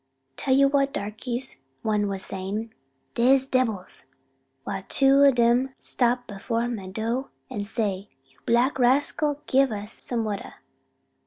"Tell ye what, darkies," one was saying, "dey's debbils! why two ob dem stop befo' my doah an' say 'You black rascal, give us some watah!